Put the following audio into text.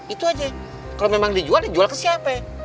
itu aja kalau memang dijual ya jual ke siapa